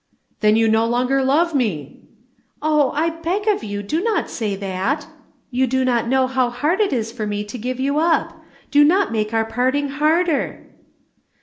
"Then you no longer love me!" "Oh, I beg of you, do not say that! You do not know how hard it is for me to give you up do not make our parting harder."